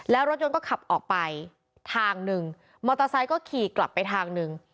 แล้วรถยนต์ก็ขับออกไปทางหนึ่งมอเตอร์ไซค์ก็ขี่กลับไปทางหนึ่ง